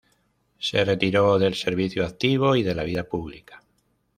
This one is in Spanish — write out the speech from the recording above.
Se retiró del servicio activo y de la vida pública.